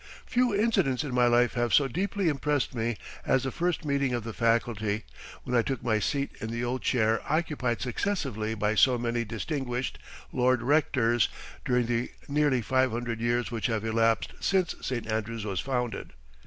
Few incidents in my life have so deeply impressed me as the first meeting of the faculty, when I took my seat in the old chair occupied successively by so many distinguished Lord Rectors during the nearly five hundred years which have elapsed since St. Andrews was founded.